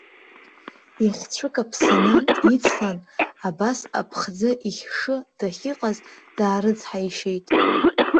Ихцәы каԥсаны, ицлан, абас аԥхӡы ихьшы дахьыҟаз даарыцҳаишьеит.